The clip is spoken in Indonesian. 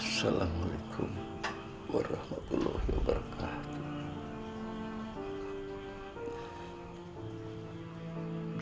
assalamualaikum warahmatullahi wabarakatuh